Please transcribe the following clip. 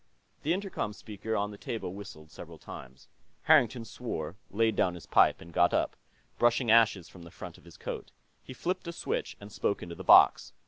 The intercom speaker on the table whistled several times. Harrington swore, laid down his pipe, and got up, brushing ashes from the front of his coat. He flipped a switch and spoke into the box.